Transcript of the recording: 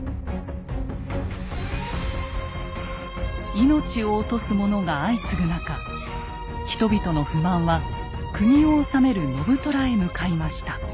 命を落とす者が相次ぐ中人々の不満は国を治める信虎へ向かいました。